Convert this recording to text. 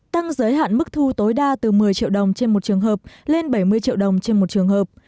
tăng giới hạn mức thu tối đa từ một mươi triệu đồng trên một trường hợp lên bảy mươi triệu đồng trên một trường hợp